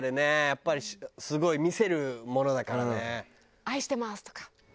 やっぱりすごい見せるものだからね。とか。